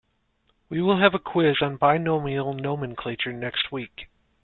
We will have a quiz on binomial nomenclature next week.